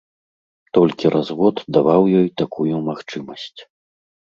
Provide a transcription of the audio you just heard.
Толькі развод даваў ёй такую магчымасць.